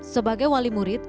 sebagai wali murid